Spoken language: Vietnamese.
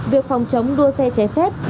việc phòng chống đua xe cháy phép